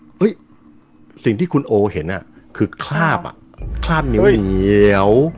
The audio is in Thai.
เฮ้ยสิ่งที่คุณโอเห็นคือคราบอ่ะคราบเหนียว